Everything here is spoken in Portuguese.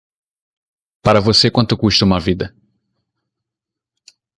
para você quanto custa uma vida